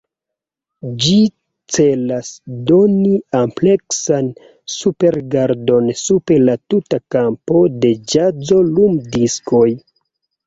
Ĝi celas doni ampleksan superrigardon super la tuta kampo de ĵazo-lumdiskoj.